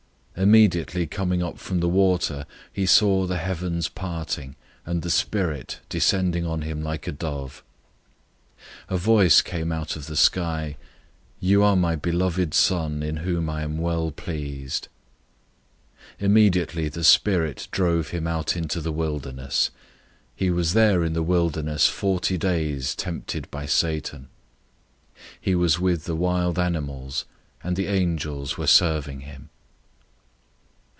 001:010 Immediately coming up from the water, he saw the heavens parting, and the Spirit descending on him like a dove. 001:011 A voice came out of the sky, "You are my beloved Son, in whom I am well pleased." 001:012 Immediately the Spirit drove him out into the wilderness. 001:013 He was there in the wilderness forty days tempted by Satan. He was with the wild animals; and the angels were serving him.